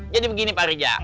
jadi begini pak riza